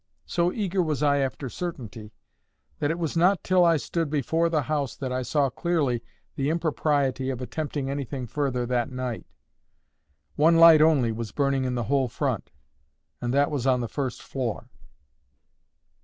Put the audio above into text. So eager was I after certainty, that it was not till I stood before the house that I saw clearly the impropriety of attempting anything further that night. One light only was burning in the whole front, and that was on the first floor.